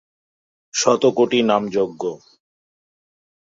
শত কোটি নাম যজ্ঞ।